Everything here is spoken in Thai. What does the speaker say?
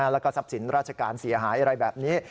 แล้วก็ทรัพย์สินราชการเสียหายอะไรแบบนี้